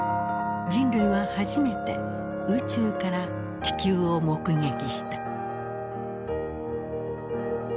人類は初めて宇宙から地球を目撃した。